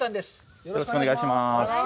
よろしくお願いします。